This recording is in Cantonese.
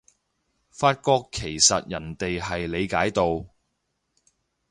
發覺其實人哋係理解到